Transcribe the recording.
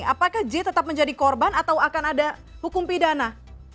apakah j tetap menjadi korban atau akan ada hukum pidana